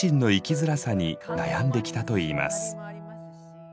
づらさに悩んできたといいます。